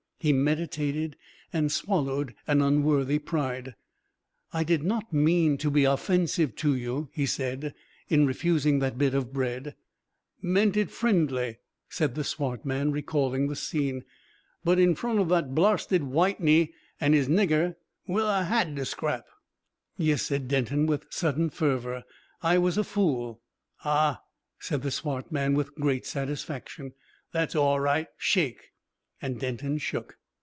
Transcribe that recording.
He meditated, and swallowed an unworthy pride. "I did not mean to be offensive to you," he said, "in refusing that bit of bread." "Meant it friendly," said the swart man, recalling the scene; "but in front of that blarsted Whitey and his snigger Well I 'ad to scrap." "Yes," said Denton with sudden fervour: "I was a fool." "Ah!" said the swart man, with great satisfaction. "That's aw right. Shake!" And Denton shook.